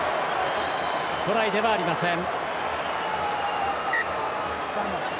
トライではありません。